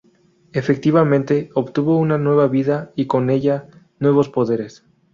Efectivamente, obtuvo una nueva vida y con ella nuevos poderes.